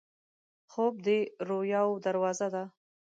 خوب د رویاوو دروازه ده